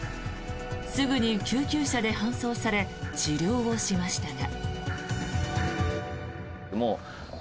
すぐに救急車で搬送され治療をしましたが。